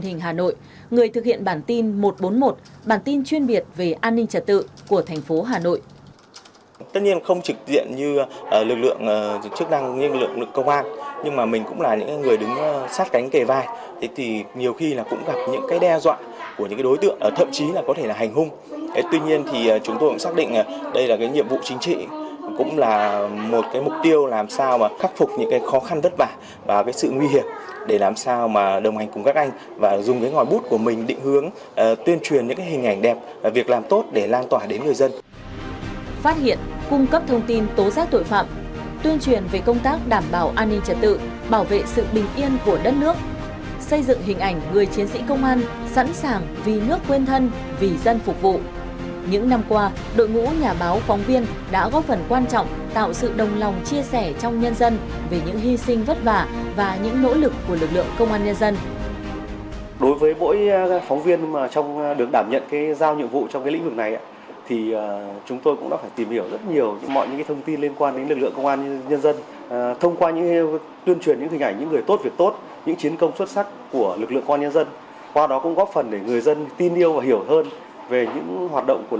thông qua tuyên truyền những hình ảnh những người tốt việc tốt những chiến công xuất sắc của lực lượng công an nhân dân qua đó cũng góp phần để người dân tin yêu và hiểu hơn về những hoạt động của lực lượng công an nhân dân trong thời chiến cũng như là trong thời bình